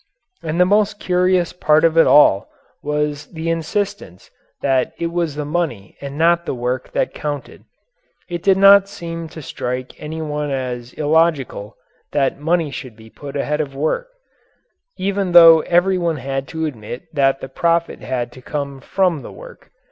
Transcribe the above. And the most curious part of it all was the insistence that it was the money and not the work that counted. It did not seem to strike any one as illogical that money should be put ahead of work even though everyone had to admit that the profit had to come from the work.